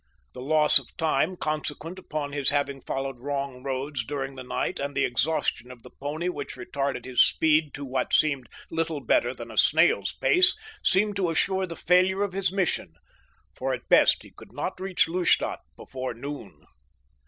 The loss of time consequent upon his having followed wrong roads during the night and the exhaustion of the pony which retarded his speed to what seemed little better than a snail's pace seemed to assure the failure of his mission, for at best he could not reach Lustadt before noon.